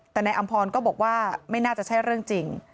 แต่นายอำพรก็บอกว่าไม่น่าจะใช่เรื่องจริง